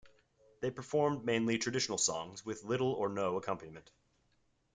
They performed mainly traditional songs with little or no accompaniment.